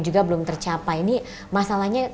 juga belum tercapai ini masalahnya